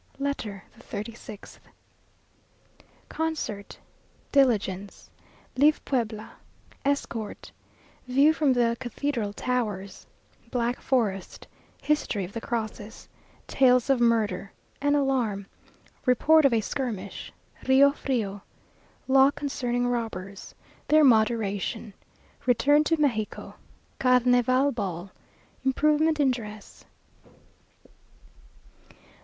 LETTER THE THIRTY SIXTH Concert Diligence Leave Puebla Escort View from the Cathedral Towers Black Forest History of the Crosses Tales of Murder An Alarm Report of a Skirmish Rio Frío Law concerning Robbers Their Moderation Return to Mexico Carnival Ball Improvement in Dress.